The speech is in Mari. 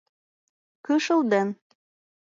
Кышыл ден.